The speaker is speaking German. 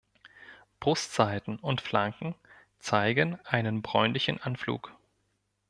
Brustseiten und Flanken zeigen einen bräunlichen Anflug.